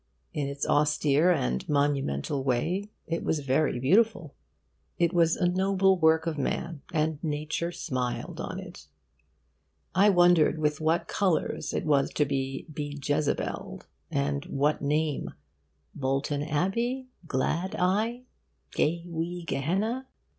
In its austere and monumental way, it was very beautiful. It was a noble work of man, and Nature smiled on it. I wondered with what colours it was to be bejezebelled, and what name Bolton Abbey? Glad Eye? Gay Wee Gehenna?